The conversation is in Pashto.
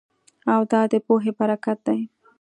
او دا د پوهې برکت دی